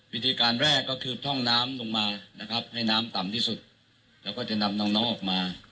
วิธีการแรกก็คือพร่องน้ำลงมานะครับให้น้ำต่ำที่สุดแล้วก็จะนำน้องออกมา